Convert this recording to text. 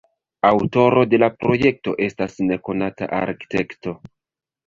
Aŭtoro de la projekto estas nekonata arkitekto.